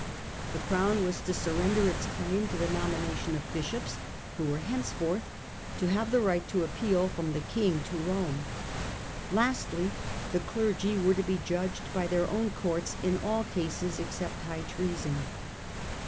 The Crown was to surrender its claim to the nomination of bishops, who were henceforth to have the right to appeal from the King to Rome. Lastly, the clergy were to be judged by their own courts in all cases except high treason.